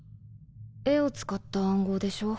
絵を使った暗号でしょ？